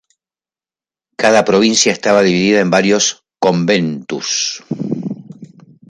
Cada provincia estaba dividida en varios "conventus".